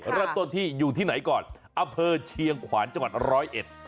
รัตตัวที่อยู่ที่ไหนก่อนอเภอเชียงขวานจังหวัด๑๐๑